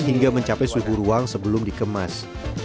hingga mencapai suhu ruang sebelum dikemas